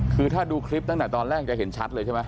คือถ้าดูคลิปตั้งแต่ตอนแรกจะเห็นชัดเลยใช่ไหม